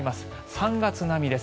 ３月並みです。